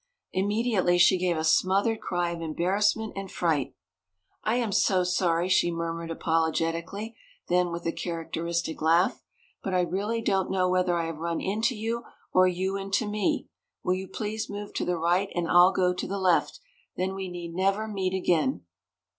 Immediately she gave a smothered cry of embarrassment and fright. "I am so sorry," she murmured apologetically, then with a characteristic laugh. "But really I don't know whether I have run into you or you into me. Will you please move to the right and I'll go to the left. Then we need never meet again."